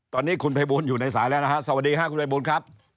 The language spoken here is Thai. ตอนนี้คุณภัยบูลอยู่ในสายแล้วนะฮะสวัสดีค่ะคุณภัยบูลครับ